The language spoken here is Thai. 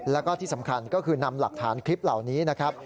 แล้วก็ที่สำคัญก็คือนำหลักฐานคลิปเหล่านี้นะครับ